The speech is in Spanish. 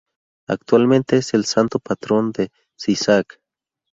Actualmente es el santo patrón de Sisak.